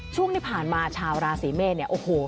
ช่วงที่ผ่านมาชาวราศีเมษเนี่ยโอ้โห